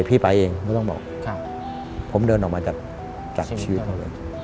พี่ไปเองไม่ต้องบอกผมเดินออกมาจากชีวิตเขาเลย